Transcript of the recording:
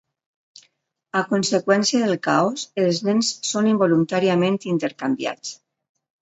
A conseqüència del caos, els nens són involuntàriament intercanviats.